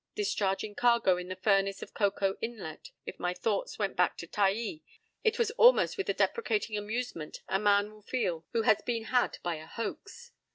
Discharging cargo in the furnace of Coco Inlet, if my thoughts went back to Taai, it was almost with the deprecating amusement a man will feel who has been had by a hoax.